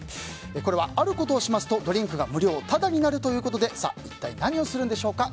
これは、あることをしますとドリンクが無料タダになるということで一体何をするんでしょうか。